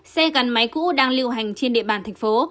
xe gắn máy cũ đang lưu hành trên địa bàn thành phố